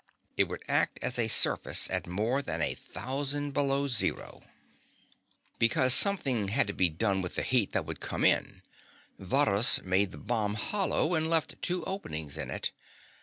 It would act as a surface at more than a thousand below zero. Because something had to be done with the heat that would come in, Varrhus made the bomb hollow and left two openings in it.